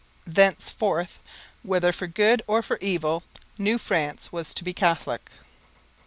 Thenceforth, whether for good or for evil, New France was to be Catholic.